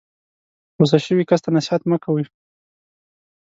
غسه شوي کس ته نصیحت مه کوئ.